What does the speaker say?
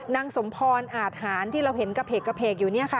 นางสมพรอาทหารที่เราเห็นกระเพกอยู่นี่ค่ะ